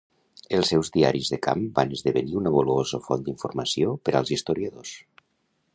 Els seus diaris de camp van esdevenir una valuosa font d'informació per als historiadors.